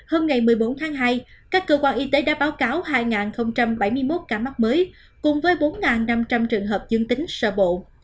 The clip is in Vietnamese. hôm ngày một mươi bốn tháng hai các cơ quan y tế đã báo cáo hai bảy mươi một ca mắc mới cùng với bốn năm trăm linh trường hợp dương tính sở bộ